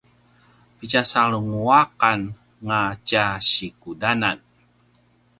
pitja sarenguaq anga tja sikudanan